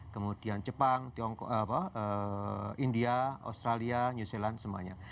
kemudian jepang india australia new zealand semuanya